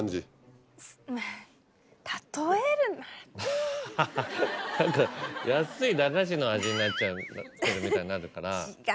ハハハ何か安い駄菓子の味になっちゃうみたいになるから。